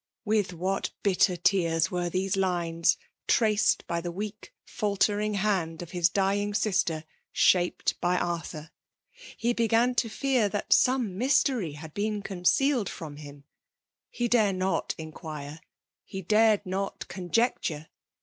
With what bitter tears were these lines^ traced by the weak, faltering hand of his dying sister, shaped by Arthur. He b^an to fi&ar that some mystery had been concealed from him* He dared BOt inquire — he dan! FEMALE DOMINATION. 143 not conjecture.